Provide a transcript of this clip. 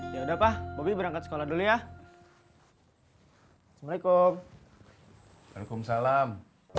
ya udah pak bobi berangkat sekolah dulu ya assalamualaikum waalaikumsalam